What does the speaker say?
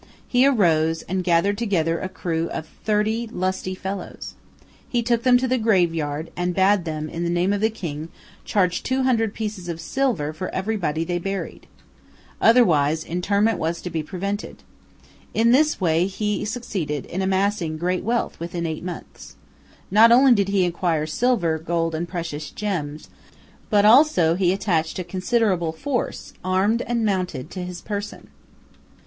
He arose and gathered together a crew of thirty lusty fellows. He took them to the graveyard, and bade them, in the name of the king, charge two hundred pieces of silver for every body they buried. Otherwise interment was to be prevented. In this way he succeeded in amassing great wealth within eight months. Not only did he acquire silver, gold, and precious gems, but also he attached a considerable force, armed and mounted, to his person.